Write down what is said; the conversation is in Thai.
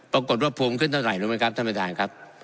ปรากฏว่าภูมิขึ้นเท่าไหร่รู้ไหมครับท่านประธานครับ